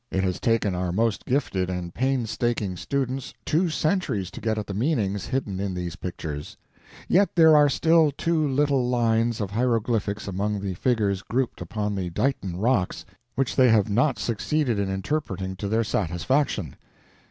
It has taken our most gifted and painstaking students two centuries to get at the meanings hidden in these pictures; yet there are still two little lines of hieroglyphics among the figures grouped upon the Dighton Rocks which they have not succeeded in interpreting to their satisfaction.